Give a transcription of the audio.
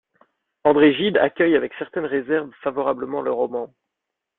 André Gide accueille avec certaines réserves favorablement le roman.